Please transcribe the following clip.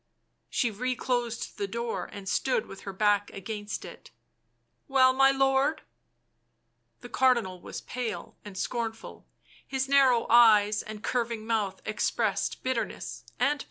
She reclosed the door and stood with her back against it. "Well, my lord?" The Cardinal was pale and scornful, his narrowed eyes and curving mouth expressed bitterness — and passion.